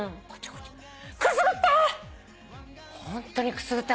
くすぐった！